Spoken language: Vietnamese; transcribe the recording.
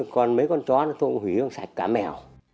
còn mấy con chó tôi cũng hủy sạch cả mèo